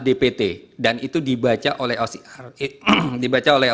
dpt dan itu dibaca oleh